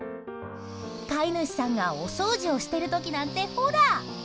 飼い主さんがお掃除をしている時なんてほら！